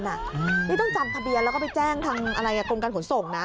นี่ต้องจำทะเบียนแล้วก็ไปแจ้งทางอะไรกรมการขนส่งนะ